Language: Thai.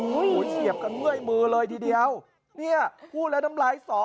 เหยียบกันด้วยมือเลยทีเดียวพูดแล้วน้ำลายสอง